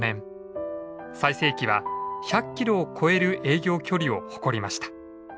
最盛期は１００キロを超える営業距離を誇りました。